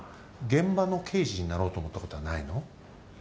現場の刑事になろうと思ったことはないの？